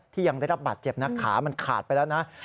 ที่ยังได้รับบัตรเจ็บนักขามันขาดไปแล้ว